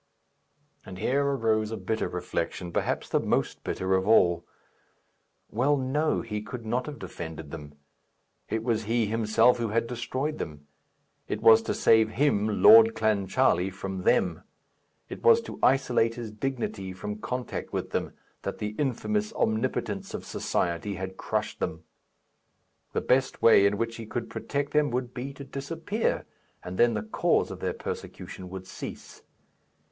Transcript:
And here arose a bitter reflection, perhaps the most bitter of all. Well, no; he could not have defended them. It was he himself who had destroyed them; it was to save him, Lord Clancharlie, from them; it was to isolate his dignity from contact with them, that the infamous omnipotence of society had crushed them. The best way in which he could protect them would be to disappear, and then the cause of their persecution would cease.